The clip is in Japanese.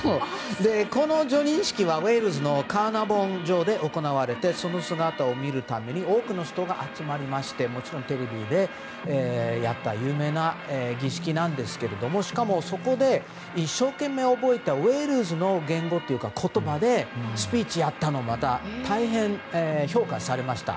この叙任式はウェールズのカーナーボン城で行われてその姿を見るために多くの人が集まりましてもちろん、テレビでやった有名な儀式なんですがしかも、そこで一生懸命覚えたウェールズの言葉でスピーチをやったのがまた大変評価されました。